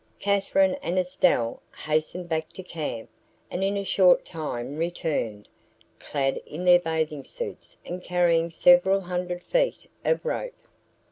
Katherine and Estelle hastened back to camp and in a short time returned, clad in their bathing suits and carrying several hundred feet of rope.